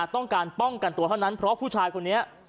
ป้องกันตัวเท่านั้นเพราะผู้ชายคนนี้